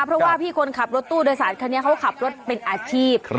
เพราะว่าพี่คนขับรถตู้โดยสารคันนี้เขาขับรถเป็นอาชีพ